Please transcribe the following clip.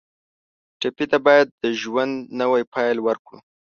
ټپي ته باید د ژوند نوی پیل ورکړو.